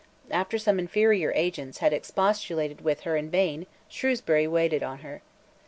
After some inferior agents had expostulated with her in vain, Shrewsbury waited on her.